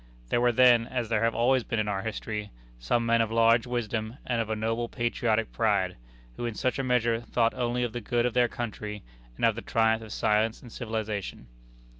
There were then as there have always been in our history some men of large wisdom and of a noble patriotic pride, who in such a measure thought only of the good of their country and of the triumph of science and of civilization.